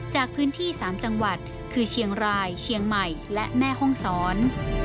จากพื้นที่๓จังหวัดคือเชียงรายเชียงใหม่และแม่ห้องศร